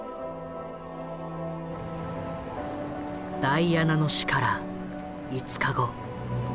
ダイアナの死から５日後。